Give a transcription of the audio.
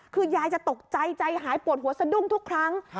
คือยายจะตกใจใจหายปวดหัวสะดุ้งทุกครั้ง